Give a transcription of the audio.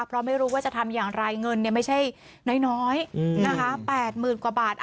เพราะไม่รู้ว่าจะทำอย่างไรเงินไม่ใช่น้อยนะคะ๘๐๐๐กว่าบาท